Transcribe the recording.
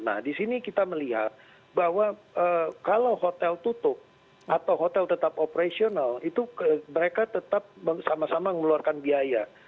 nah di sini kita melihat bahwa kalau hotel tutup atau hotel tetap operasional itu mereka tetap sama sama mengeluarkan biaya